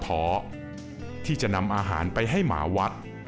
เพราะว่าท้อที่จะนำอาหารไปให้หมาวัด